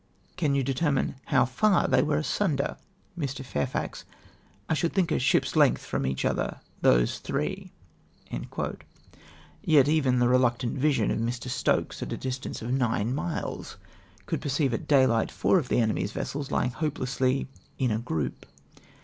" Can you determine hovj far they were asunder ?" Mr. Fairfax. —" I should think a ship's length from each other, those three.'''' Yet even the reluctant vision of ]\ii'. Stokes, at a distance of nine miles, could perceive at daylight four of the enemy's vessels lying helplessly " in a group.''